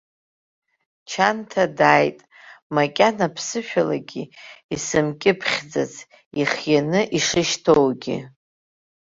Чанҭа дааит макьана ԥсышәалагьы исымкьыԥхьӡац, ихианы ишышьҭоугьы.